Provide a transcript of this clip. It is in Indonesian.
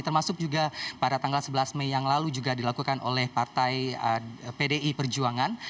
termasuk juga pada tanggal sebelas mei yang lalu juga dilakukan oleh partai pdi perjuangan